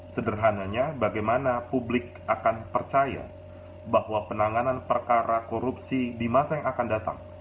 sederhananya bagaimana publik akan percaya bahwa penanganan perkara korupsi di masa yang akan datang